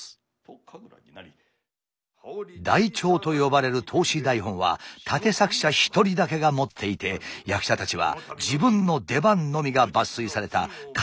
台帳と呼ばれる通し台本は立作者一人だけが持っていて役者たちは自分の出番のみが抜粋された書抜というものを渡されるだけ。